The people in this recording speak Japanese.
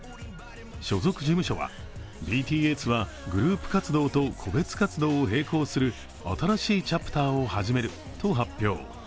所属事務所は、ＢＴＳはグループ活動と個別活動を並行する新しいチャプターを始めると発表。